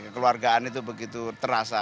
keluargaan itu begitu terasa